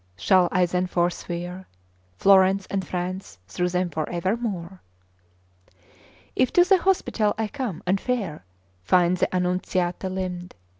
Shall I then forswear Florence and France through them for evermore? If to the hospital I come, and fair Find the Annunziata limned.